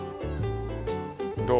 どう？